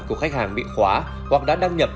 của khách hàng bị khóa hoặc đã đăng nhập